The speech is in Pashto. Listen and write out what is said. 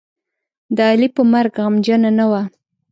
د علي په مرګ غمجنـه نه وه.